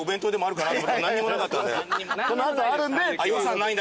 この後あるんで。